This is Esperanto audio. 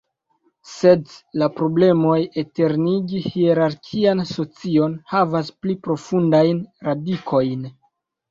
Sed la problemoj eternigi hierarkian socion havas pli profundajn radikojn.